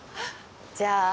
じゃあ。